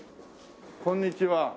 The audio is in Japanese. こんにちは。